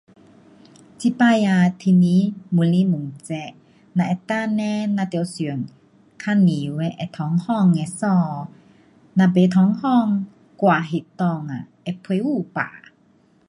这次啊天气越来越热，若能够呢咱得穿较凉的会通风的衣。若不通风，汗闷内啊会皮肤病。